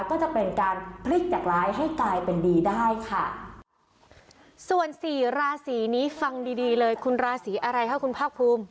ก็จะเป็นการพลิกจากร้ายให้กลายเป็นดีได้ค่ะส่วนสี่ราศีนี้ฟังดีดีเลยคุณราศีอะไรคะคุณภาคภูมิ